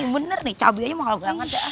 bener nih cabainya mahal banget